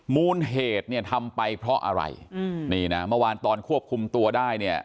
มูลเหตุเนี่ยทำไปเพราะอะไรอืมนี่นะเมื่อวานตอนควบคุมตัวได้เนี่ย